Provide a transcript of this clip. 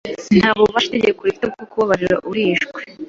Nta bubasha itegeko rifite bwo kubabarira uryishe.